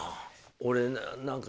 俺何か。